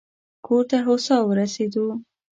کور ته هوسا ورسېدو.